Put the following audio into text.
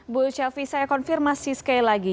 bu shelfie saya konfirmasi sekali lagi